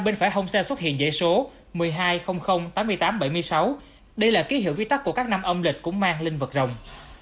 bên phải hông xe xuất hiện dễ số một hai không không tám tám bảy sáu đây là ký hiệu vi tắc của các năm âm lịch cũng mang linh vật rồng